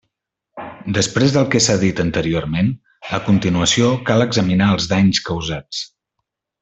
Després del que s'ha dit anteriorment, a continuació cal examinar els danys causats.